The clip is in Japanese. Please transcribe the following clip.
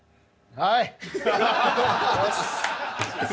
はい！